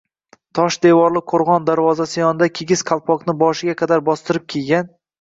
Tosh devorli qoʼrgʼon darvozasi yonida kigiz qalpoqni qoshiga qadar bostirib kiygan